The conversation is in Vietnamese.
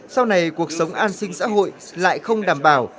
sau này cuộc sống an sinh xã hội lại không đảm bảo